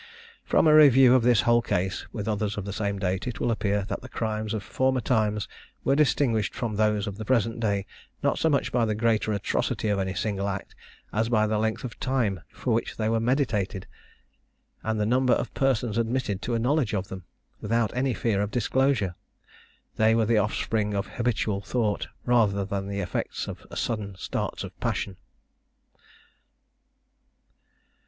From a review of this whole case, with others of the same date, it will appear that the crimes of former times were distinguished from those of the present day, not so much by the greater atrocity of any single act, as by the length of time for which they were meditated, and the number of persons admitted to a knowledge of them, without any fear of disclosure. They were the offspring of habitual thought rather than the effect of sudden starts of passion.